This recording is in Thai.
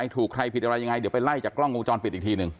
ถูกใครผิดอะไรยังไงเดี๋ยวไปไล่จากกล้องวงจรปิดอีกทีหนึ่ง